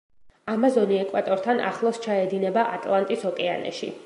ამაზონი ეკვატორთან ახლოს ჩაედინება ატლანტის ოკეანეში.